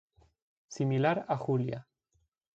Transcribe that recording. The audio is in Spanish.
Similar a Julia.